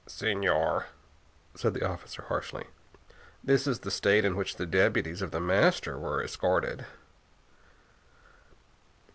"Señor," said the officer harshly, "this is the state in which the deputies of The Master were escorted."